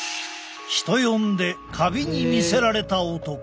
人呼んで「カビに魅せられた男」。